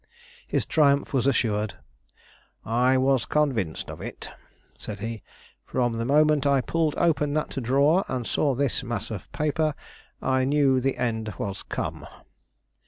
His triumph was assured. "I was convinced of it," said he. "From the moment I pulled open that drawer and saw this mass of paper, I knew the end was come."